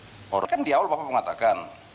orang orang kan diawal bapak mengatakan